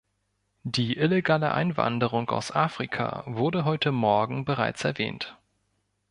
Die illegale Einwanderung aus Afrika wurde heute Morgen bereits erwähnt.